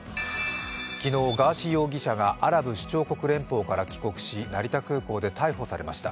昨日、ガーシー容疑者がアラブ首長国連邦から帰国し成田空港で逮捕されました。